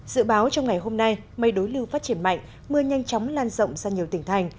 dự báo trong ngày hôm nay mây đối lưu phát triển mạnh mưa nhanh chóng lan rộng ra nhiều tỉnh thành